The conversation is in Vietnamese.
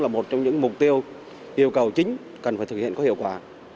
là một trong những mục tiêu yêu cầu chính cần phải thực hiện có hiệu quả